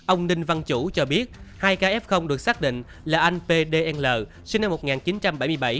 ông ninh văn chủ cho biết hai ca f được xác định là anh p d n l sinh năm một nghìn chín trăm bảy mươi bảy